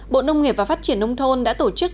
bộ nông nghiệp và phát triển nông thôn đã tổ chức